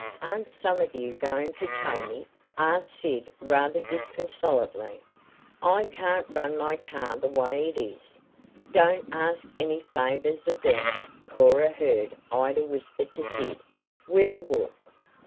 "Aren't some of you going to tow me?" asked Sid rather disconsolately. "I can't run my car the way it is." "Don't ask any favors of them," Cora heard Ida whisper to Sid. "We'll walk."